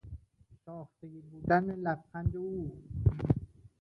ساختگی بودن لبخند او